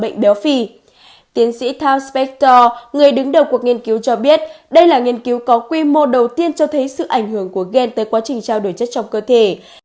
tiến sĩ tom spector người đứng đầu cuộc nghiên cứu cho biết đây là nghiên cứu có quy mô đầu tiên cho thấy sự ảnh hưởng của gen tới quá trình trao đổi chất trong cơ thể